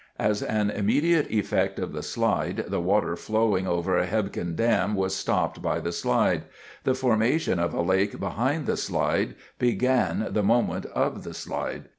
As an immediate effect of the slide, the water flowing over Hebgen Dam was stopped by the slide. The formation of a lake behind the slide began the moment of the slide.